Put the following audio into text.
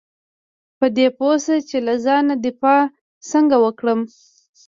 په دې پوه شه چې له ځانه دفاع څنګه وکړم .